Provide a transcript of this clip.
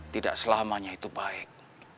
tidak selamanya itu baik